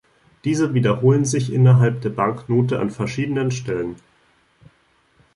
Diese wiederholen sich innerhalb der Banknote an verschiedenen Stellen.